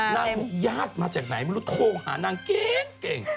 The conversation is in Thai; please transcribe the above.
บอกญาติมาจากไหนไม่รู้โทรหานางเก่ง